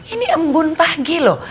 ini embun pagi loh